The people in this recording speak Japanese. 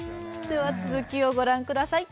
では続きをご覧ください